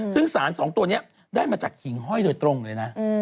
ซึ่งสารสองตัวนี้ได้มาจากหิ่งห้อยโดยตรงเลยนะ